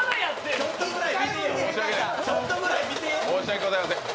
申し訳ございません。